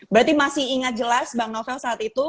berarti masih ingat jelas bang novel saat itu